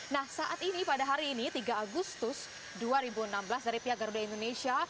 nah saat ini pada hari ini tiga agustus dua ribu enam belas dari pihak garuda indonesia